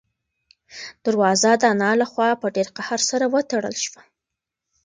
دروازه د انا له خوا په ډېر قهر سره وتړل شوه.